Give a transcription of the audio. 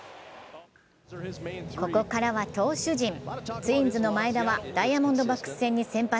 ここからは投手陣、ツインズの前田はダイヤモンドバックス戦に先発。